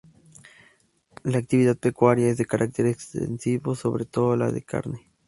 La actividad pecuaria es de carácter extensivo sobre todo la de carne.